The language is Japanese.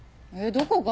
どこが？